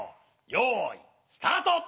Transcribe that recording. よいスタート！